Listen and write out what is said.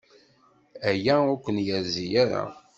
Aya ur ken-yerzi ara.